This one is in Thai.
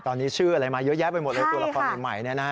ตอนนี้ชื่ออะไรมาเยอะแยะไปหมดเลยตัวละครใหม่